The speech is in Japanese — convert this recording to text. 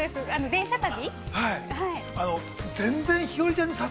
電車旅？